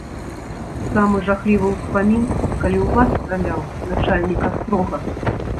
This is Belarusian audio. Самы жахлівы ўспамін, калі ў вас страляў начальнік астрога.